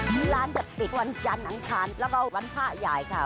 มีร้านจะปิดวันจันทร์อังคารแล้วก็วันพระใหญ่ค่ะ